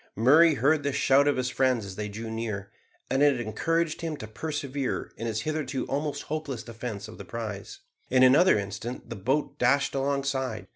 Murray heard the shout of his friends as they drew near, and it encouraged him to persevere in his hitherto almost hopeless defence of the prize. In another instant the boat dashed alongside.